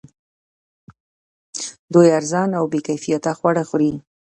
دوی ارزان او بې کیفیته خواړه خوري